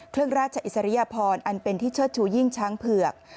เครื่องราชอิสริยพรอันเป็นที่เชิดชูยิ่งช้างเผือก